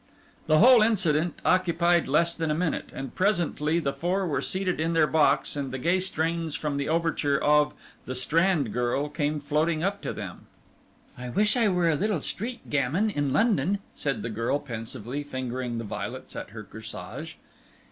The whole incident occupied less than a minute, and presently the four were seated in their box, and the gay strains from the overture of The Strand Girl came floating up to them. "I wish I were a little street gamin in London," said the girl pensively, fingering the violets at her corsage.